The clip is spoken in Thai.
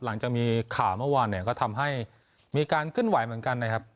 หลังจากมีข่าวเมื่อวานเนี่ยก็ทำให้มีการเคลื่อนไหวเหมือนกันนะครับ